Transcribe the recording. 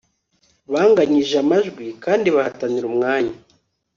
banganyije amajwi kandi bahatanira umwanya